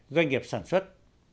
doanh nghiệp sản xuất